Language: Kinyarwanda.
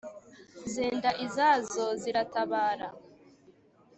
zenda izazo ziratabara